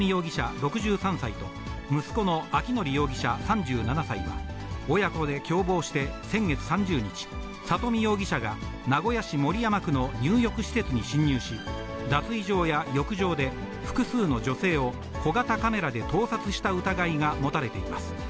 ６３歳と、息子の明範容疑者３７歳は、親子で共謀して先月３０日、佐登美容疑者が名古屋市守山区の入浴施設に侵入し、脱衣場や浴場で、複数の女性を小型カメラで盗撮した疑いが持たれています。